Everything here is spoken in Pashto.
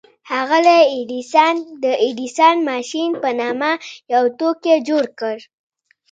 ښاغلي ايډېسن د ايډېسن ماشين په نامه يو توکی جوړ کړ.